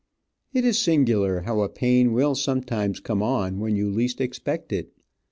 It is singular how a pain will sometimes come on when you least expect it.